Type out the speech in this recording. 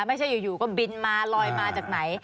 ไม่ใช่อยู่ก็บินมาลอยมาจากไหน